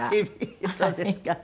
そうですか。